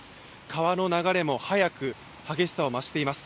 川の流れも速く、激しさを増しています。